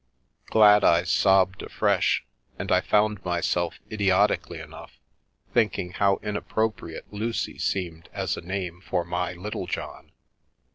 Gladeyes sobbed afresh, and I found myself, idioti cally enough, thinking how inappropriate Lucy seemed as a name for my Littlejohn.